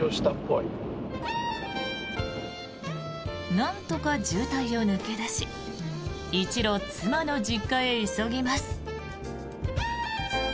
なんとか渋滞を抜け出し一路、妻の実家へ急ぎます。